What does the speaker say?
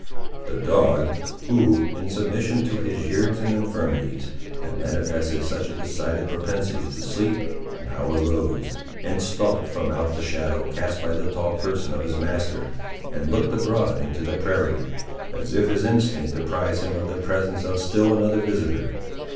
The dog, who, in submission to his years and infirmities, had manifested such a decided propensity to sleep, now arose, and stalked from out the shadow cast by the tall person of his master, and looked abroad into the prairie, as if his instinct apprised him of the presence of still another visitor.